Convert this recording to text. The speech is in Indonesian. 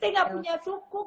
saya gak punya sukuk